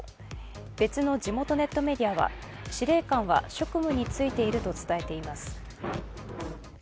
別の地元ネットメディアは司令官は職務に就いていると伝えています。